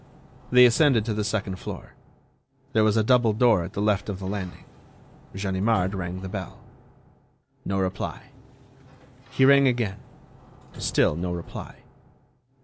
They ascended to the second floor. There was a double door at the left of the landing. Ganimard rang the bell. No reply. He rang again. Still no reply.